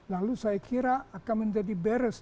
lalu saya kira akan menjadi beres